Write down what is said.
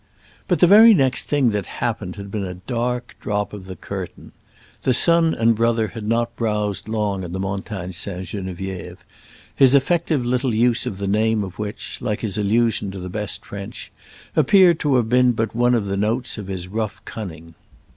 But the very next thing that happened had been a dark drop of the curtain. The son and brother had not browsed long on the Montagne Sainte Geneviève—his effective little use of the name of which, like his allusion to the best French, appeared to have been but one of the notes of his rough cunning.